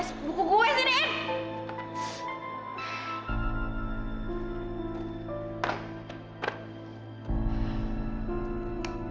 res buku gue sini